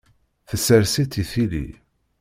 Tessers-itt i tili.